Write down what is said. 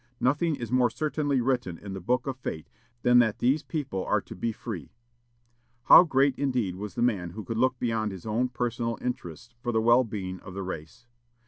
Nothing is more certainly written in the book of fate than that these people are to be free." How great indeed was the man who could look beyond his own personal interests for the well being of the race!